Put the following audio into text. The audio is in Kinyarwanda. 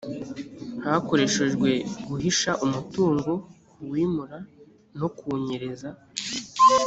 hakoreshejwe guhisha umutungo kuwimura no kuwunyereza